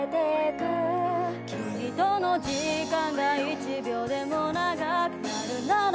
君との時間が一秒でも長くなるなら